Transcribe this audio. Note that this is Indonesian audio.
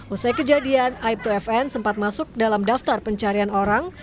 usai kejadian aib dua fn sempat masuk dalam daftar pencarian orang